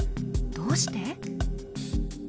どうして？